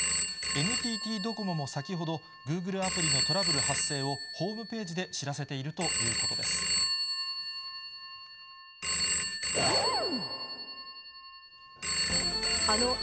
ＮＴＴドコモも先ほど、グーグルアプリのトラブル発生をホームページで知らせているといきょうの特集は、家族で奮闘！